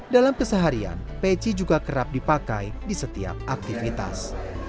dalam keseharian peci juga kerap dipakai di setiap aktivitas